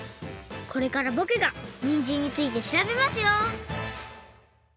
これからぼくがにんじんについてしらべますよ！